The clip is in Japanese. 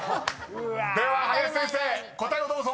［では林先生答えをどうぞ］